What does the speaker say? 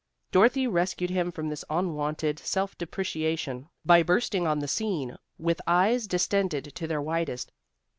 Dorothy rescued him from this unwonted self depreciation by bursting on the scene with eyes distended to their widest.